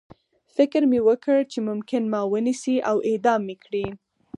فکر مې وکړ چې ممکن ما ونیسي او اعدام مې کړي